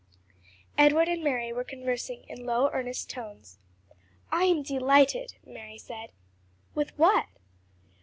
Edward and Mary were conversing in low, earnest tones. "I am delighted!" Mary said. "With what?"